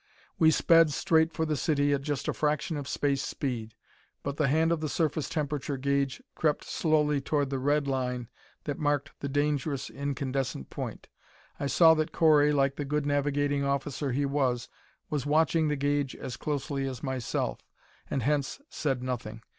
We sped straight for the city at just a fraction of space speed, but the hand of the surface temperature gauge crept slowly toward the red line that marked the dangerous incandescent point. I saw that Correy, like the good navigating officer he was, was watching the gauge as closely as myself, and hence said nothing.